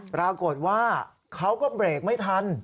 ปรากฏว่าเขาก็เบรกไม่ทัน